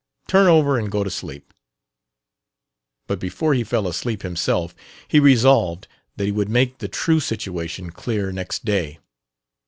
Turn over and go to sleep." But before he fell asleep himself he resolved that he would make the true situation clear next day.